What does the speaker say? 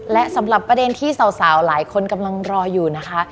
และสำหรับประเด็นที่สาวหลายคนกำลังรออยู่นะคะ